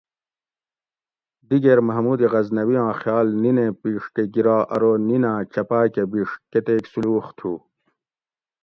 دیگیر محمود غزنوی آں خیال نینیں پیڛ کہ گرا ارو نیناۤن چپاۤ کہ بیڛ کتیک سولوخ تھو